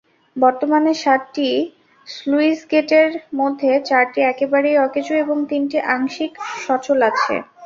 বর্তমানে সাতটি স্লুইসগেটের মধ্যে চারটি একেবারেই অকেজো এবং তিনটি আংশিক সচল আছে।